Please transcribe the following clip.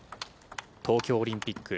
東京オリンピック。